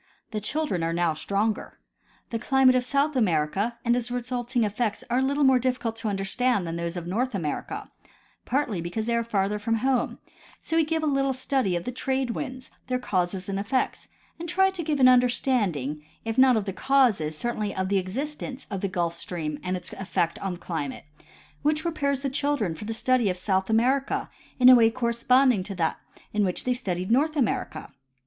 The children are now stronger. The climate of South America and its resulting eff'ects are a little more difficult to understand than those of North America, partl}^ because they are farther from home ; so we give a little study of the trade winds, their causes and effects, and try to give an understanding, if not of the causes, certainly 'of the existence of the Gulf Stream and its efl'ect on climate, which prepares the children for the study of South America in a Avay corresponding to that in which they studied North America.